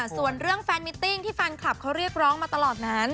ส่วนเรื่องแฟนมิตติ้งที่แฟนคลับเขาเรียกร้องมาตลอดนั้น